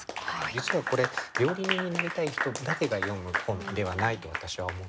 実はこれ料理人になりたい人だけが読む本ではないと私は思っていて。